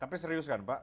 tapi serius kan pak